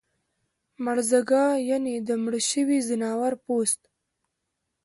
مړزګه یعنی د مړه شوي ځناور پوست